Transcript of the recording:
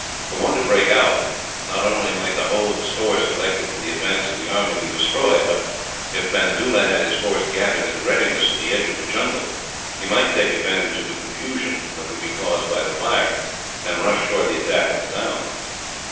Were one to break out, not only might the whole of the stores collected for the advance of the army be destroyed but, if Bandoola had his force gathered in readiness at the edge of the jungle, he might take advantage of the confusion that would be caused by the fire, and rush forward to the attack of the town.